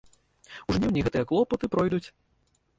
У жніўні гэтыя клопаты пройдуць.